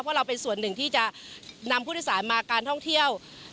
เพราะเราเป็นส่วนหนึ่งที่จะนำผู้โดยสารมาการท่องเที่ยว